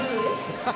「ハハハハ！」